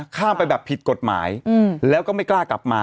ข้ามไปแบบผิดกฎหมายแล้วก็ไม่กล้ากลับมา